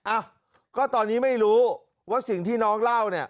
อ่ะก็ตอนนี้ไม่รู้ว่าสิ่งที่น้องเล่าเนี่ย